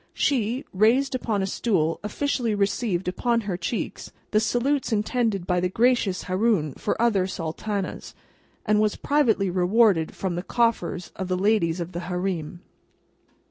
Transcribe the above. She, raised upon a stool, officially received upon her cheeks the salutes intended by the gracious Haroun for other Sultanas, and was privately rewarded from the coffers of the Ladies of the Hareem.